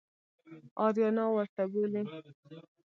آریانا ورته بولي.